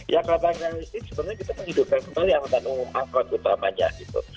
ya kalau paling realistis sebenarnya kita menghidupkan kembali angkotan umum angkot utamanya gitu